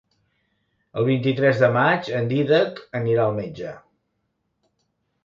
El vint-i-tres de maig en Dídac anirà al metge.